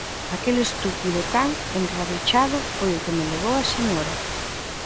Aquel estúpido can enrabechado foi o que me levou á señora.